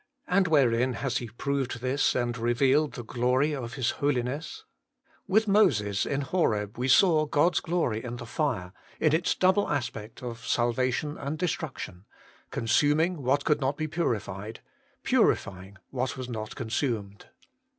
And wherein has He proved this, and HOLINESS AND GLORY. 57 revealed the glory of His Holiness ? With Moses in Horeb we saw God's glory in the fire, in its double aspect of salvation and destruction : con suming what could not be purified, purifying what was not consumed.